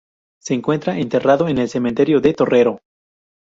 Se encuentra enterrado en el Cementerio de Torrero.